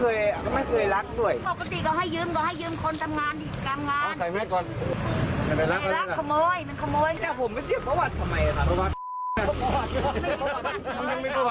โอเคเค้าจะเห็นนั่นจริงนรรย์เลี้ยว